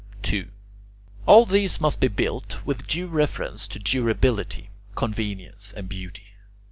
2. All these must be built with due reference to durability, convenience, and beauty.